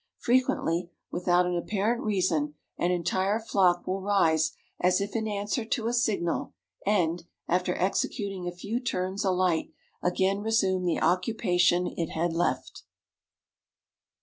Frequently, without an apparent reason an entire flock will rise as if in answer to a signal and, after executing a few turns alight, again resume the occupation it had left.